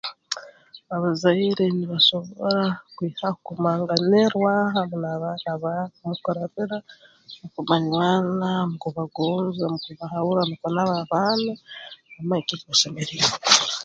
Abazaire nibasobora kwihaho kugumanganirwa hamu n'abaana baabo mu kurabira mu kubanywana mu kubagonza mu kubahabura nukwo nabo abaana bamanye kiki eki basemeriire kukora